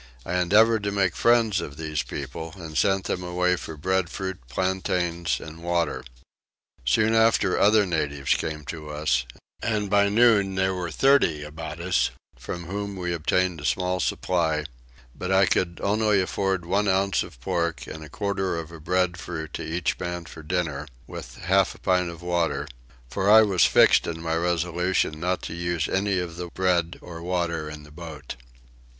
I endeavoured to make friends of these people and sent them away for breadfruit, plantains, and water. Soon after other natives came to us; and by noon there were thirty about us, from whom we obtained a small supply; but I could only afford one ounce of pork and a quarter of a breadfruit to each man for dinner, with half a pint of water, for I was fixed in my resolution not to use any of the bread or water in the boat.